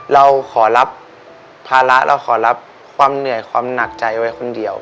เราขอรับภาระเราขอรับความเหนื่อยความหนักใจไว้คนเดียว